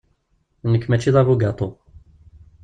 Nekk, mačči d abugaṭu.